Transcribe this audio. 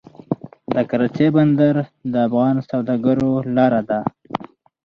د کراچۍ بندر د افغان سوداګرو لاره ده